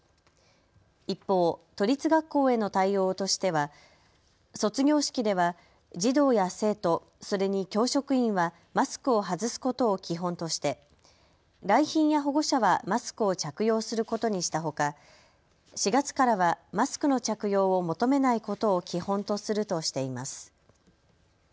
一方、都立学校への対応としては卒業式では児童や生徒、それに教職員はマスクを外すことを基本として来賓や保護者はマスクを着用することにしたほか、４月からはマスクの着用を求めないことを基本とするとしています。